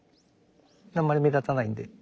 あまり目立たないんで。